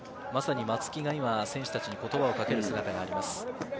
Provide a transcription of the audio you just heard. まさに松木が選手たちに言葉をかける姿があります。